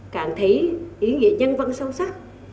cảm thấy ý nghĩa nhân vận sâu sắc